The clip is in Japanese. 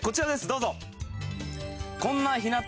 どうぞ！